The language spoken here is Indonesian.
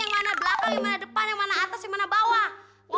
yang mana belakang yang mana depan yang mana atas yang mana bawah